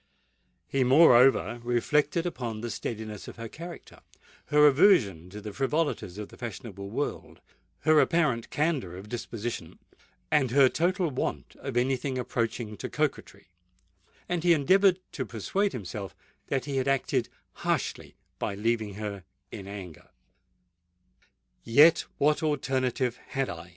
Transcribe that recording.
He moreover reflected upon the steadiness of her character—her aversion to the frivolities of the fashionable world—her apparent candour of disposition—and her total want of any thing approaching to coquetry;—and he endeavoured to persuade himself that he had acted harshly by leaving her in anger. "Yet what alternative had I?"